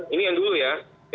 ini yang dulu ya